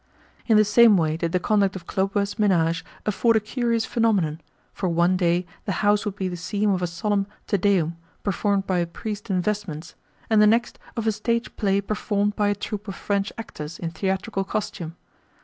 In the same way did the conduct of Khlobuev's menage afford a curious phenomenon, for one day the house would be the scene of a solemn Te Deum, performed by a priest in vestments, and the next of a stage play performed by a troupe of French actors in theatrical costume.